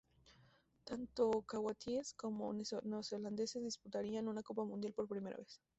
Tanto kuwaitíes como neozelandeses disputarían una Copa Mundial por primera vez.